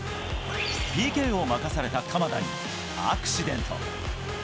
ＰＫを任された鎌田にアクシデント。